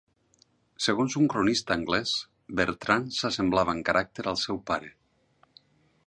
Segons un cronista anglès, Bertran s'assemblava en caràcter al seu pare.